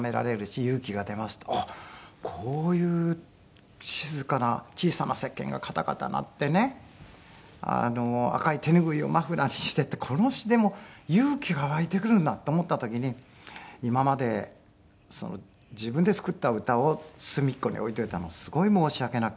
あっこういう静かな「小さな石鹸がカタカタ鳴ってね赤い手拭をマフラーにして」ってこの詞でも勇気が湧いてくるんだと思った時に今まで自分で作った歌を隅っこに置いておいたのをすごい申し訳なくって。